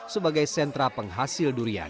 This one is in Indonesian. sebagai sentra penghasil durian